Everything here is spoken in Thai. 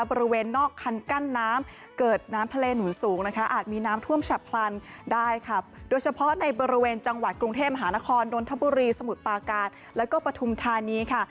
บริเวณนอกคันกั้นน้ำเกิดน้ำทะเลหนุนสูงนะคะอาจมีน้ำท่วมฉับพลันได้ค่ะโดยเฉพาะในบริเวณจังหวัดกรุงเทพมหานครนนทบุรีสมุทรปาการแล้วก็ปฐุมธานีค่ะ